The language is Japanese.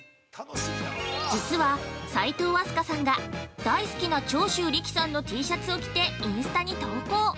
◆実は、齋藤飛鳥さんが大好きな長州力さんのＴシャツを着てインスタに投稿。